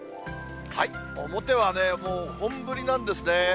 表はね、もう本降りなんですね。